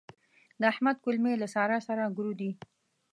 د احمد کولمې له سارا سره ګرو دي.